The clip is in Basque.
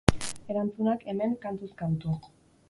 Erantzunak, hemen, kantuz kantu.